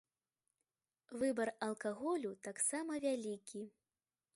Выбар алкаголю таксама вялікі.